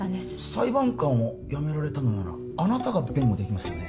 裁判官を辞められたのならあなたが弁護できますよね？